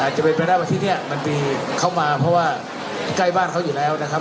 จะเป็นไปได้ว่าที่นี่มันมีเข้ามาเพราะว่าใกล้บ้านเขาอยู่แล้วนะครับ